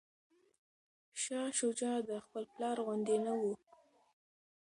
شاه شجاع د خپل پلار غوندې نه و.